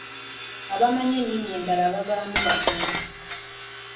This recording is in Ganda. Abamanyi ennimi endala babaamu batono.